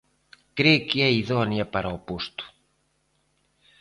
Cre que é idónea para o posto.